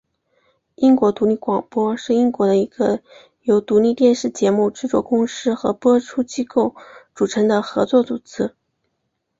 英国独立广播是英国的一个由独立电视节目制作公司和播出机构组成的合作组织。